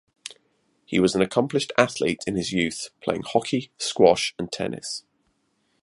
He was an accomplished athlete in his youth, playing hockey, squash and tennis.